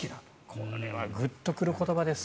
これはグッと来る言葉です。